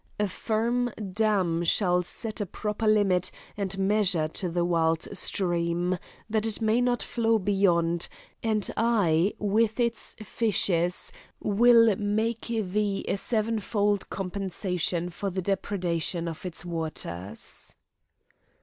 A firm dam shall set a proper limit and measure to the wild stream, that it may not flow beyond; and I, with its fishes, will make thee a seven fold compensation for the depredation of its waters."